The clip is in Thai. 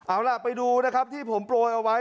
เอาล่ะไปดูนะครับที่ผมโปรยเอาไว้